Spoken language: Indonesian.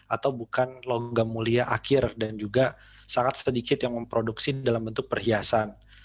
atau bukan logam mulia akhir dan juga sangat sedikit yang memproduksi dalam bentuk perhiasan